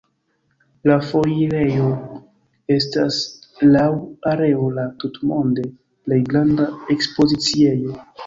La foirejo estas laŭ areo la tutmonde plej granda ekspoziciejo.